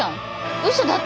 うそだって。